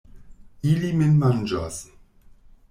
Ili min manĝos.